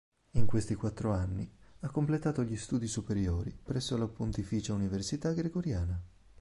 In questi quattro anni ha completato gli studi superiori presso la Pontificia Università Gregoriana.